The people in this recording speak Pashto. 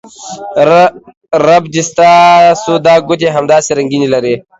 رب دې ستاسو دا ګوتې همداسې رنګینې لرې